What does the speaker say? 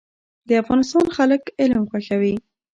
د افغانستان خلک علم خوښوي